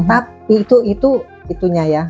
tapi itu itunya ya